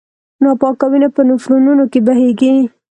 ناپاکه وینه په نفرونونو کې بهېږي.